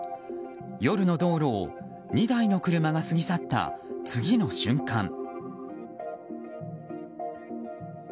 夜の道路を２台の車が過ぎ去った次の瞬間。